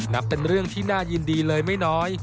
นับเป็นเรื่องที่น่ายินดีเลยไม่น้อย